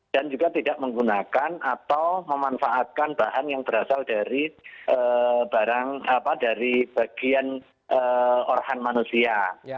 dan juga tidak menggunakan atau memanfaatkan bahan yang berasal dari bagian orhan manusia